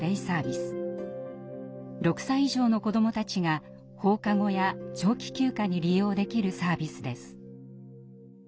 ６歳以上の子どもたちが放課後や長期休暇に利用できるサービスです。